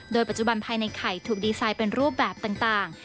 โดยปัจจุบันภายในไข่ถูกดีไซน์เป็นรูปแบบต่าง